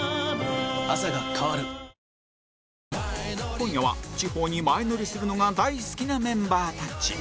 今夜は地方に前乗りするのが大好きなメンバーたち